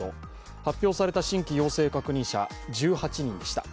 発表された新規陽性確認者１８人でした。